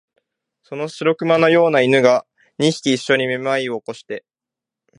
その白熊のような犬が、二匹いっしょにめまいを起こして、